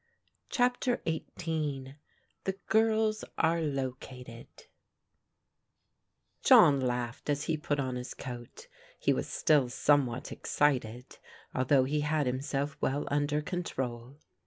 CHAPTER XVIII THE GIRLS ARE LOCATED JOHN laughed as he put on his coat. He was still somewhat excited although he had himself well under control.